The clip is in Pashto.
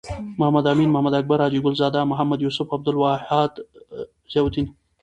محمد امین.محمد اکبر.حاجی ګل زاده. محمد یوسف.عبدالواحد.ضیاالدین